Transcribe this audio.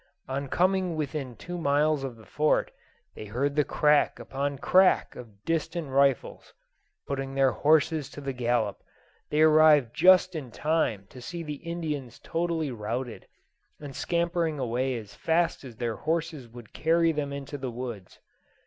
On coming within two miles of the Fort, they heard the crack upon crack of distant rifles. Putting their horses to the gallop, they arrived just in time to see the Indians totally routed, and scampering away as fast as their horses would carry them into the woods.